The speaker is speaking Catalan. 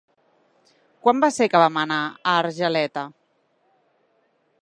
Quan va ser que vam anar a Argeleta?